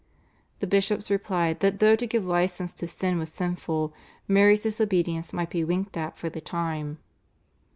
The bishops replied that though to give licence to sin was sinful Mary's disobedience might be winked at for the time.